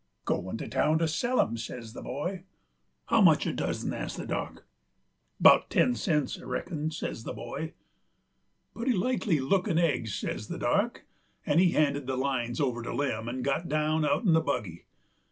"Goin' to town to sell 'em," says the boy. "How much a dozen?" asked the Dock. "'Bout ten cents, I reckon," says the boy. "Putty likely lookin' eggs," says the Dock; 'nd he handed the lines over to Lem, 'nd got out'n the buggy.